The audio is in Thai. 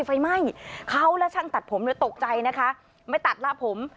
ไฟไหม้เขาและช่างตัดผมเนี่ยตกใจนะคะไม่ตัดละผม